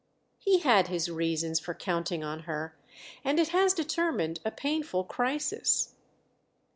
"He had his reasons for counting on her, and it has determined a painful crisis."